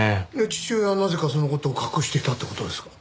父親はなぜかその事を隠していたって事ですか？